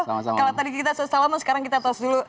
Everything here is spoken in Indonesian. kalau tadi kita salam salam sekarang kita tos dulu